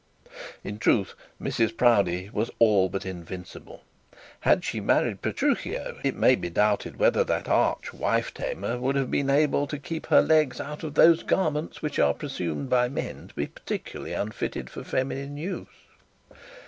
In truth, Mrs Proudie was all but invincible; had she married Petruchio, it may be doubted whether that arch wife tamer would have been able to keep her legs out of those garments which are presumed by men to be peculiarly unfitted for feminine use.